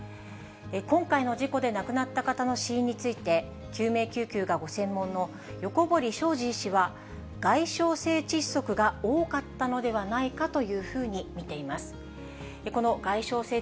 今回の事故で亡くなった方の死因について、救命救急がご専門の横堀しょうじ医師は外傷性窒息が多かったのではないかというふうに見ています。